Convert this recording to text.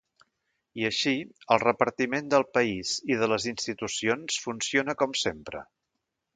I així, el repartiment del país i de les institucions funciona com sempre.